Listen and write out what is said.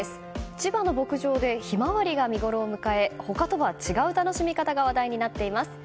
千葉の牧場でヒマワリが見ごろを迎え他とは違う楽しみ方が話題になっています。